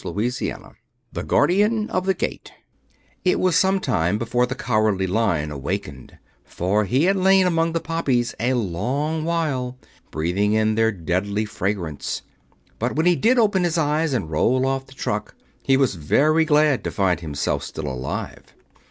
Chapter X The Guardian of the Gate It was some time before the Cowardly Lion awakened, for he had lain among the poppies a long while, breathing in their deadly fragrance; but when he did open his eyes and roll off the truck he was very glad to find himself still alive.